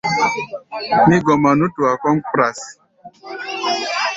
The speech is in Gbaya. Mí gɔma nútua kɔ́ʼm kpras.